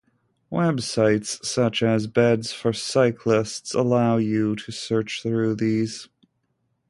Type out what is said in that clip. Websites such as Beds for Cyclists allow you to search through these.